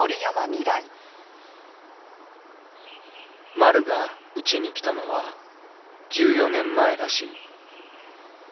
「まるがうちに来たのは十四年前らしい。